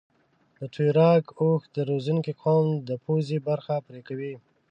د تویراګ اوښ روزنکي قوم د پوزه برخه پرې کوي.